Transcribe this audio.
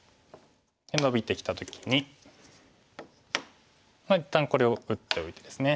ノビてきた時に一旦これを打っておいてですね。